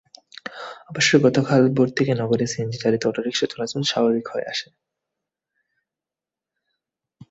অবশ্য গতকাল ভোর থেকে নগরে সিএনজিচালিত অটোরিকশা চলাচল স্বাভাবিক হয়ে আসে।